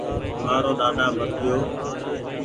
مآرو ۮاۮا مر گيوٚ